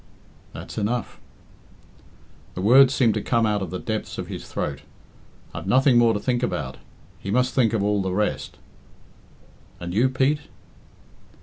"That's enough." The words seemed to come out of the depths of his throat. "I've nothing more to think about. He must think of all the rest." "And you, Pete?"